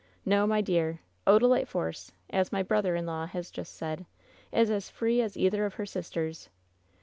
No, my dear; Oda lite Force, as my brother in law has just said, is as free as either of her sisters!